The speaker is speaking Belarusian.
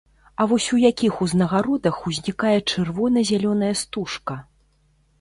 А вось у якіх узнагародах узнікае чырвона-зялёная стужка?